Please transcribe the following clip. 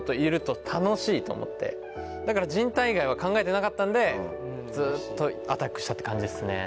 だからじんたん以外は考えてなかったんでずっとアタックしたって感じっすね。